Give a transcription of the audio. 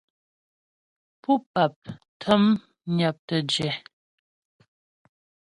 Pú pap təm nyaptə jɛ.